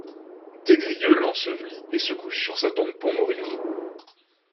Des Grieux l’ensevelit et se couche sur sa tombe pour mourir.